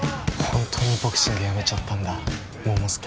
本当にボクシングやめちゃったんだ桃介。